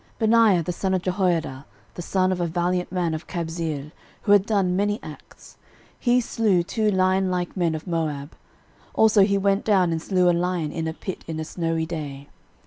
13:011:022 Benaiah the son of Jehoiada, the son of a valiant man of Kabzeel, who had done many acts; he slew two lionlike men of Moab: also he went down and slew a lion in a pit in a snowy day.